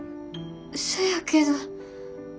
そやけど。